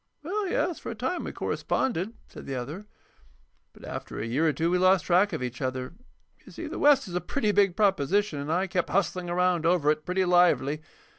"Well, yes, for a time we corresponded," said the other. "But after a year or two we lost track of each other. You see, the West is a pretty big proposition, and I kept hustling around over it pretty lively.